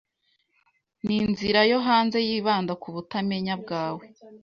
Ninzira yo hanze yibanda kubutamenya bwawe?